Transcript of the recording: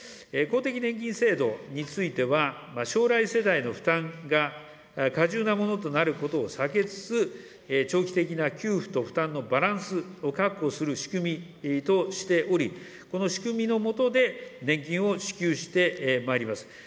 公的年金制度については、将来世代の負担が過重なものとなることを避けつつ、長期的な給付と負担のバランスを確保する仕組みとしており、この仕組みの下で年金を支給してまいります。